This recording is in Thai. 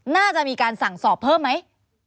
น่าจะมีการสั่งสอบเพิ่มไหม